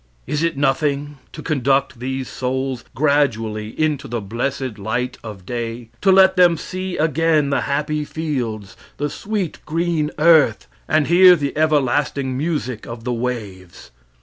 Is it nothing to conduct these souls gradually into the blessed light of day to let them see again the happy fields, the sweet, green earth, and hear the everlasting music of the waves?